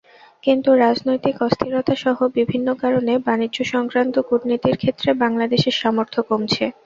কিন্তু রাজনৈতিক অস্থিরতাসহ বিভিন্ন কারণে বাণিজ্য-সংক্রান্ত কূটনীতির ক্ষেত্রে বাংলাদেশের সামর্থ্য কমছে।